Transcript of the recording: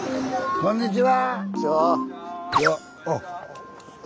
こんにちは。